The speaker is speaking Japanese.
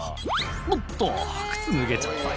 「おっと靴脱げちゃったよ